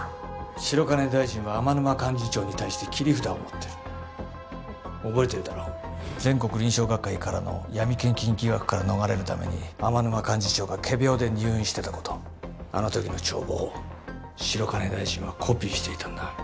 白金大臣は天沼幹事長に対して切り札を持ってる覚えてるだろ全国臨床学会からの闇献金疑惑から逃れるために天沼幹事長が仮病で入院してたことあの時の帳簿を白金大臣はコピーしていたんだ